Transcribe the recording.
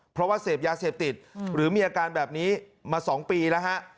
เพราะว่าเสพยาเสพติดหรือมีอาการแบบนี้มา๒ปีแล้วฮะ